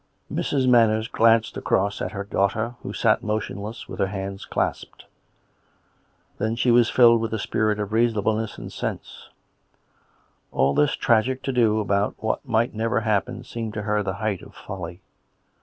" Mrs. Manners glanced across at her daughter, who sat motionless, with her hands clasped. Then she was filled with the spirit of reasonableness and sense: all this tragic to do about what might never happen seemed to her the height of folly.